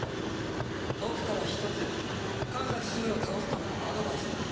僕から一つ神崎シンを倒すためのアドバイスだ。